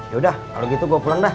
yaudah kalau gitu gue pulang dah